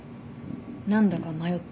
何だか迷った？